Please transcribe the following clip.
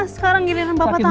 sekarang giliran bapak tampil